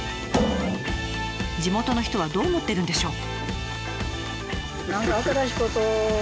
地元の人はどう思ってるんでしょう？